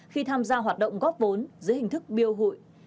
khi tham gia hoạt động góp vốn dưới hình thức biêu hụi